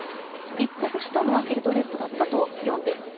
密告したのはミルドレッドだったと読んでいいんですか？